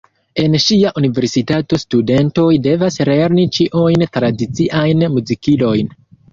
En ŝia universitato studentoj devas lerni ĉiujn tradiciajn muzikilojn.